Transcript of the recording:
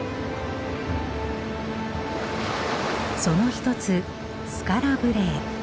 その一つスカラ・ブレエ。